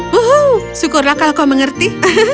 wuhu syukurlah kau mengerti